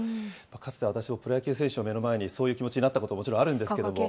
かつて私もプロ野球選手を目の前にそういう気持ちになったこともちろんあるんですけども。